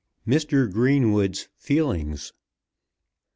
MR. GREENWOOD'S FEELINGS.